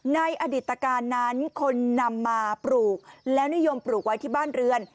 ในอดิตการนั้นคนนำมาปลูกแล้วนิยมปลูกไว้ที่บ้านเรือน